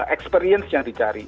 experience yang dicari